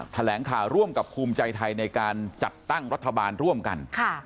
แถลงข่าวร่วมกับภูมิใจไทยในการจัดตั้งรัฐบาลร่วมกัน